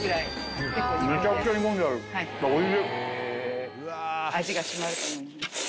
おいしい！